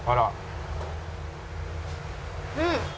うん！